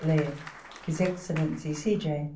BLAIR. His Excellency C. J.